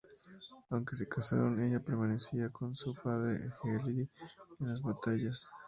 Aunque se casaron, ella permanecía con su padre y Helgi en las batallas.